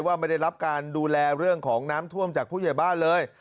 ไม่ได้รับการดูแลเรื่องของน้ำท่วมจากผู้ใหญ่บ้านเลย